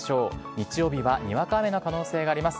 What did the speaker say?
日曜日はにわか雨の可能性があります。